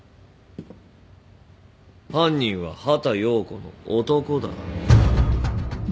犯人は畑葉子の男だ。